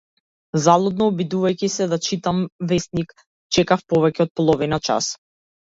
Залудно обидувајќи се да читам весник, чекав повеќе од половина час.